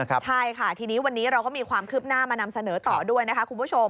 ใช่ค่ะทีนี้วันนี้เราก็มีความคืบหน้ามานำเสนอต่อด้วยนะคะคุณผู้ชม